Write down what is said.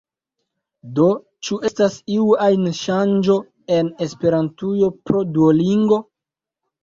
Do, ĉu estas iu ajn ŝanĝo en Esperantujo pro Duolingo?